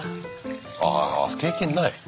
あ経験ない。